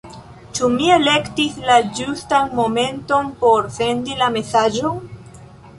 Ĉu mi elektis la ĝustan momenton por sendi la mesaĝon?